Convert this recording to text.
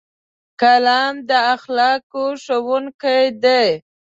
قلم د اخلاقو ښوونکی دی